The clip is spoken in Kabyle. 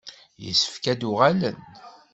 Yessefk ad d-uɣalen.